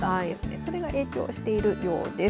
それが影響しているようです。